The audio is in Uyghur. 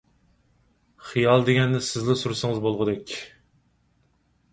خىيال دېگەننى سىزلا سۈرسىڭىز بولغۇدەك.